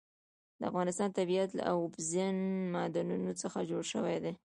د افغانستان طبیعت له اوبزین معدنونه څخه جوړ شوی دی.